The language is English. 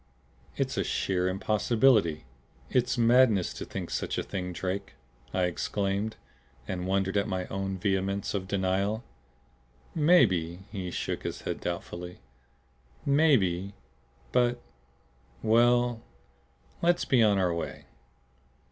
"It's a sheer impossibility. It's madness to think such a thing, Drake!" I exclaimed, and wondered at my own vehemence of denial. "Maybe," he shook his head doubtfully. "Maybe but well let's be on our way."